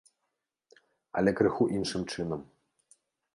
Але крыху іншым чынам.